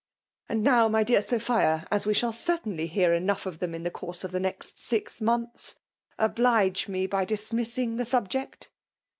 " And now, my dear Sophia, as we shall certainly hear enough of them in the course of the next six months, oblige me by dismissing the subject.'